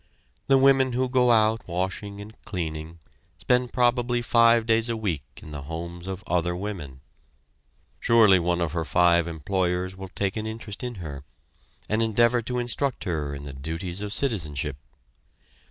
The women who go out washing and cleaning spend probably five days a week in the homes of other women. Surely one of her five employers will take an interest in her, and endeavor to instruct her in the duties of citizenship.